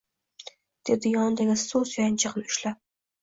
dedi yonidagi stul suyanchig`ini ushlab